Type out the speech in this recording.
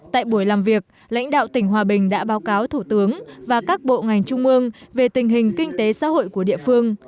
tại buổi làm việc lãnh đạo tỉnh hòa bình đã báo cáo thủ tướng và các bộ ngành trung mương về tình hình kinh tế xã hội của địa phương